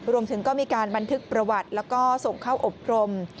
รวมถึงก็มีการบันทึกประวัติแล้วก็ส่งเข้าอบรม